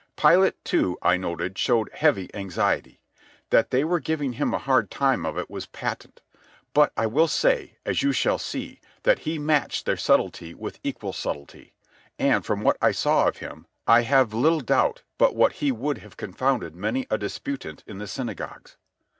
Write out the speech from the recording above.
Pilate, too, I noted, showed heavy anxiety. That they were giving him a hard time of it was patent. But I will say, as you shall see, that he matched their subtlety with equal subtlety; and from what I saw of him I have little doubt but what he would have confounded many a disputant in the synagogues.